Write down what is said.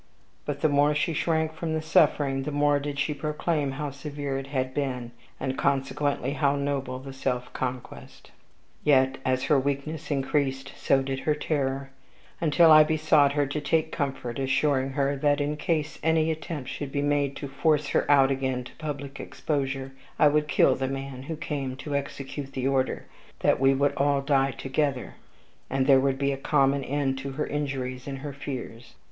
But the more she shrank from the suffering, the more did she proclaim how severe it had been, and consequently how noble the self conquest. Yet, as her weakness increased, so did her terror; until I besought her to take comfort, assuring her that, in case any attempt should be made to force her out again to public exposure, I would kill the man who came to execute the order that we would all die together and there would be a common end to her injuries and her fears.